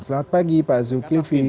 selamat pagi pak zulkifli